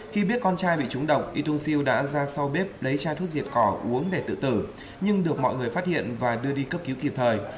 khi biết con trai bị trúng độc youxi đã ra sau bếp lấy chai thuốc diệt cỏ uống để tự tử nhưng được mọi người phát hiện và đưa đi cấp cứu kịp thời